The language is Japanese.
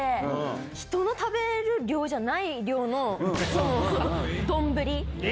人の食べる量じゃない量の丼。